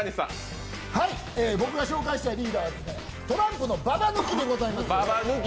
僕が紹介したいリーダーはトランプのババ抜きでございます。